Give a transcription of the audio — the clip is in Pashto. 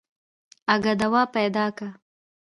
اگه دوا پيدا که.